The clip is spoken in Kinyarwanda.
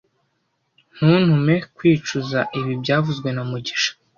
Ntuntume kwicuza ibi byavuzwe na mugisha